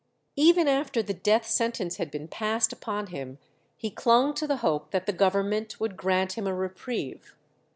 Even after the death sentence had been passed upon him he clung to the hope that the Government would grant him a reprieve.